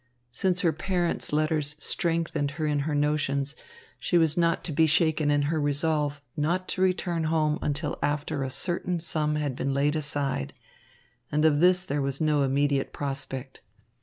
Since her parents' letters strengthened her in her notions, she was not to be shaken in her resolve not to return home until after a certain sum had been laid aside, and of this there was no immediate prospect.